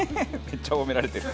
めっちゃ褒められてる。